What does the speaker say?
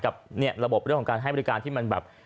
กับระบบรอบของการให้บริการที่มันเป็น